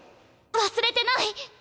忘れてない。